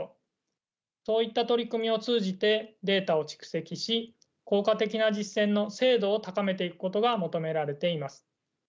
そういった取り組みを通じてデータを蓄積し効果的な実践の精度を高めていくことが求められています。